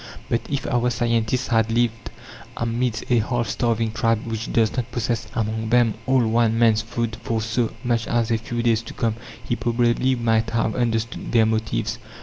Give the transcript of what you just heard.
But if our scientist had lived amidst a half starving tribe which does not possess among them all one man's food for so much as a few days to come, he probably might have understood their motives.